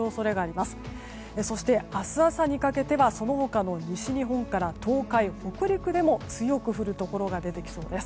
そして明日朝にかけてはそのほかの西日本から東海北陸でも強く降るところが出てきそうです。